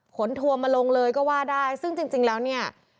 ทัวร์มาลงเลยก็ว่าได้ซึ่งจริงแล้วเนี่ย